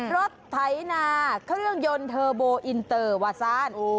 รถไถนาเครื่องยนต์เทอร์โบอินเตอร์วาซาน